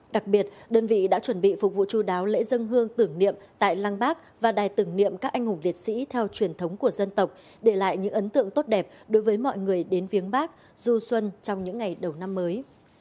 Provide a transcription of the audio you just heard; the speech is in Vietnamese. đặc biệt đơn vị đã chuẩn bị phục vụ chú đáo lễ dân hương tưởng niệm tại lăng bác và đài tưởng niệm các anh hùng liệt sĩ theo truyền thống của dân tộc để lại những ấn tượng tốt đẹp đối với mọi người đến viếng bắc du xuân trong những ngày đầu năm mới